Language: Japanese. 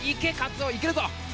いけるぞ！